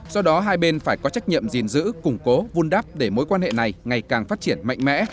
do đó hai bên phải có trách nhiệm gìn giữ củng cố vun đắp để mối quan hệ này ngày càng phát triển mạnh mẽ